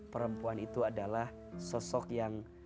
perempuan itu adalah sosok yang